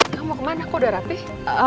kamu mau kemana kok udah rapih